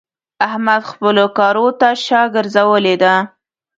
احمد خپلو کارو ته شا ګرځولې ده.